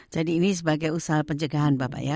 jadi ini sebagai usaha pencegahan bapak ya